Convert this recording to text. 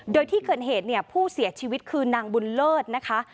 โดยที่เกิดเหตุเนี่ยผู้เสียชีวิตคือนางบุญเลิศนะคะ